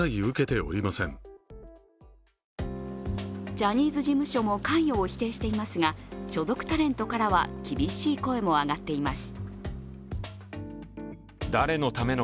ジャニーズ事務所も関与を否定していますが所属タレントからは厳しい声も上がっています